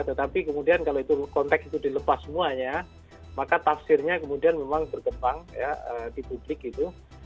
tetapi kemudian kalau itu konteks itu dilepas semuanya maka tafsirnya kemudian memang berkembang di publik gitu